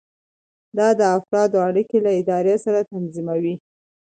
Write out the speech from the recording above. دا د افرادو اړیکې له ادارې سره تنظیموي.